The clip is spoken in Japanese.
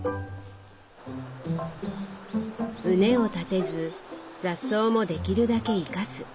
畝を立てず雑草もできるだけ生かす。